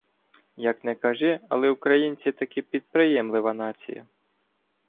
Як не кажи, але українці – таки підприємлива нація